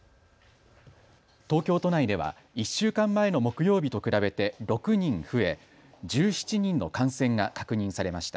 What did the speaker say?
東京都内では１週間前の木曜日と比べて６人増え、１７人の感染が確認されました。